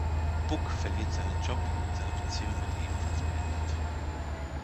Buck verliert seinen Job, seine Beziehung wird ebenfalls beendet.